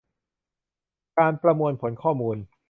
การประมวลผลข้อมูล